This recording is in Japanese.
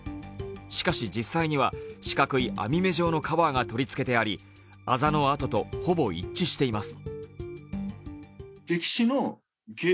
しかし実際には四角い網目状のカバーが取り付けてありあざの痕とほぼ一致しています。